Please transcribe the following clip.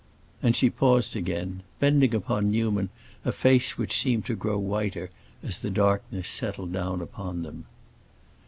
And she paused again, bending upon Newman a face which seemed to grow whiter as the darkness settled down upon them.